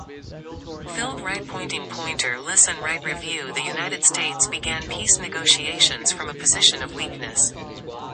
The United States began peace negotiations from a position of weakness.